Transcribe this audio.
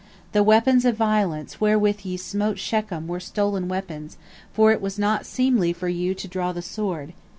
The weapons of violence wherewith ye smote Shechem were stolen weapons, for it was not seemly for you to draw the sword.